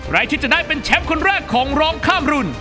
ใครที่จะได้เป็นแชมป์คนแรกของร้องข้ามรุ่น